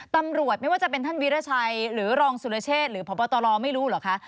ตำรวจไม่ว่าจะเป็นท่านวิราชัยหรือรองสุรเชษหรือพบตรไม่รู้เหรอคะ